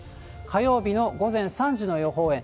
火曜日の午前３時の予報円。